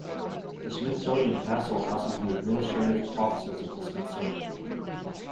The Smithsonian Castle houses the administrative offices of the Smithsonian.